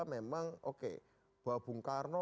memang oke bahwa bung karno